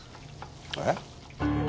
えっ？